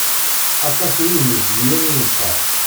Aṭas n inmezgiyen i nesɛa.